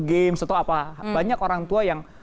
games atau apa banyak orang tua yang